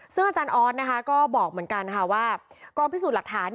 ซึ่งอาจารย์ออสก็บอกเหมือนกันค่ะว่ากองพิสูจน์หลักฐาน